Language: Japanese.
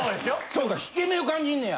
そうか引け目を感じんねや。